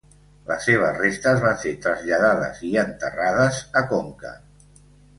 Les seves restes van ser traslladades i enterrades a Conca.